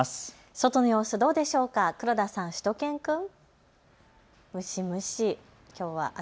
外の様子、どうでしょうか、黒田さん、しゅと犬くん。